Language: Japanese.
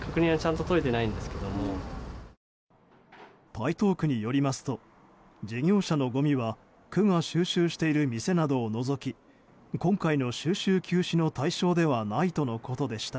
台東区によりますと事業者のごみは区が収集している店などを除き今回の収集休止の対象ではないとのことでした。